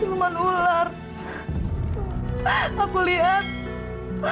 dia galuh galuh tewas pak apa apa lu tewas aku nggak nyangka kau tewet anggar pak dan